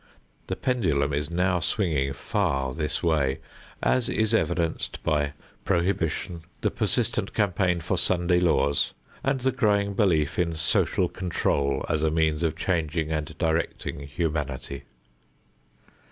The pendulum is now swinging far this way as is evidenced by prohibition, the persistent campaign for Sunday laws, and the growing belief in social control as a means of changing and directing humanity.